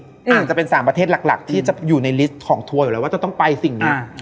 อาจจะเป็น๓ประเทศหลักที่จะอยู่ในลิสต์ของทัวร์อยู่แล้วว่าจะต้องไปสิ่งนี้